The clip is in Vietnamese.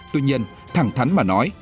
tuy nhiên thẳng thắn mà nói